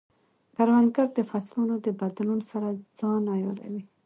کروندګر د فصلونو د بدلون سره ځان عیاروي